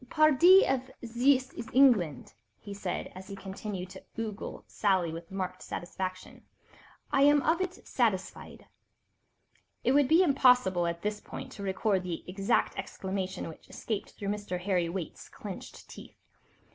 "Pardi, if zis is England," he said as he continued to ogle Sally with marked satisfaction, "I am of it satisfied." It would be impossible at this point to record the exact exclamation which escaped through Mr. Harry Waite's clenched teeth.